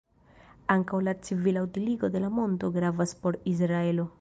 Ankaŭ la civila utiligo de la monto gravas por Israelo.